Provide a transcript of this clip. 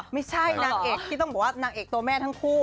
ไม่ใช่นางเอกที่ต้องบอกว่านางเอกตัวแม่ทั้งคู่